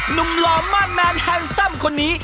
หนุ่มหลอมมากแมนแฮงซัมคนนี้